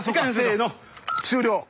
終了。